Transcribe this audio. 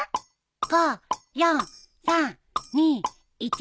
５４３２１。